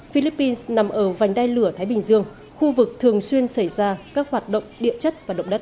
philippines nằm ở vành đai lửa thái bình dương khu vực thường xuyên xảy ra các hoạt động địa chất và động đất